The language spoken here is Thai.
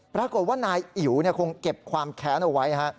ปรากฏว่านายอิ๋วคงเก็บความแค้นเอาไว้ฮะ